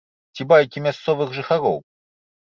Ці байкі мясцовых жыхароў?